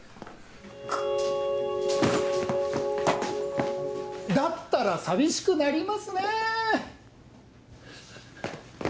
ク⁉だったら寂しくなりますねぇ。